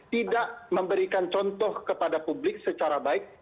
tidak memberikan contoh kepada publik secara baik